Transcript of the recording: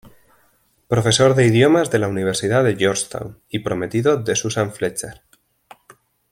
Profesor de Idiomas de la Universidad de Georgetown, y prometido de Susan Fletcher.